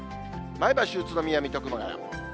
前橋、宇都宮、水戸、熊谷。